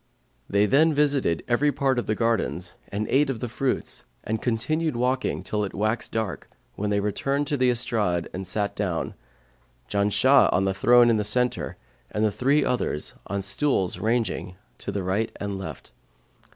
They then visited every part of the gardens and ate of the fruits and continued walking till it waxed dark, when they returned to the estrade and sat down, Janshah on the throne in the centre and the three others on the stools ranged to the right and left.